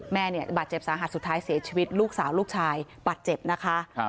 แม่เนี่ยบาดเจ็บสาหัสสุดท้ายเสียชีวิตลูกสาวลูกชายบาดเจ็บนะคะ